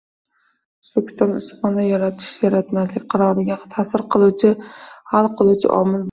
O‘zbekistonda issiqxona yaratish-yaratmaslik qaroriga ta’sir etuvchi hal qiluvchi omil bo‘ladi.